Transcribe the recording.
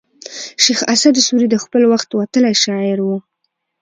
شېخ اسعد سوري د خپل وخت وتلى شاعر وو.